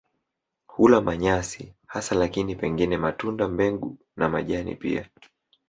Hula manyasi hasa lakini pengine matunda, mbegu na majani pia.